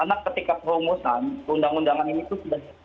karena ketika perumusan undang undangan ini itu sudah